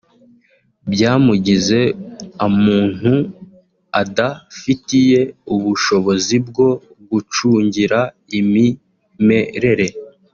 byamugize amuntu adafitiye ubushobozi bwo gucungira imimerere